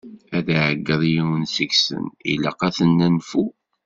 Ad d-iɛegeḍ yiwen seg-sen: ilaq ad t-nenfu!